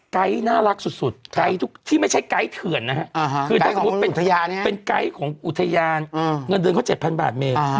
ไกด์น่ารักสุดไกด์ทุกที่ไม่ใช่ไกด์เถื่อนนะฮะคือถ้าสมมุติเป็นไกด์ของอุทยานเงินเดือนเขา๗๐๐บาทเม